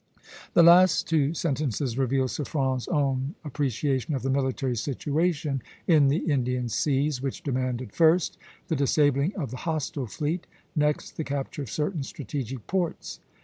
The last two sentences reveal Suffren's own appreciation of the military situation in the Indian seas, which demanded, first, the disabling of the hostile fleet, next, the capture of certain strategic ports.